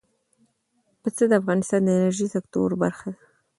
پسه د افغانستان د انرژۍ د سکتور برخه ده.